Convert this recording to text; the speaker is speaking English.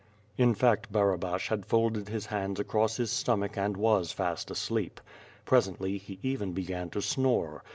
In fact Barabash had folded his hands across his stomach and was fast asleep. Presently, he even began to snore.